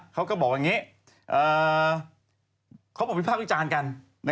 เขาพูดมีภาพอีกจานกัน